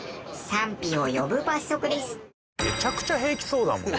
賛否を呼ぶ罰則です。